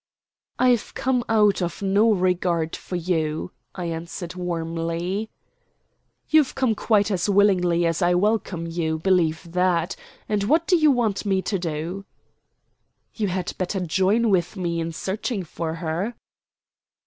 "I've come out of no regard for you," I answered warmly. "You've come quite as willingly as I welcome you. Believe that. And what do you want me to do?" "You had better join with me in searching for her."